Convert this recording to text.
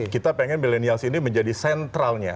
kita pengen milenials ini menjadi sentralnya